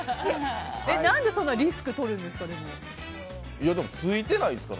何でそんなリスクをとるんですか？